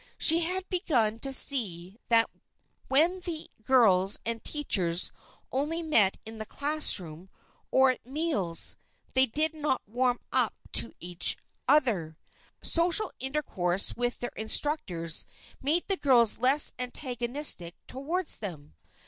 She had begun to see that when the girls and the teachers only met in the classroom, or at meals, they did not "warm up to each other"; social intercourse with their instructors made the girls less antagonistic toward them.